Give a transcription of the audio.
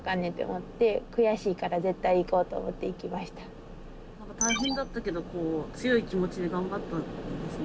何でこんなことで大変だったけど強い気持ちで頑張ったんですね